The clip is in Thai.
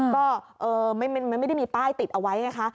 ก็ไม่ได้มีป้ายติดเอาไว้ไงคะ